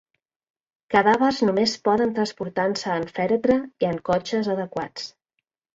Cadàvers només poden transportar-se en fèretre i en cotxes adequats.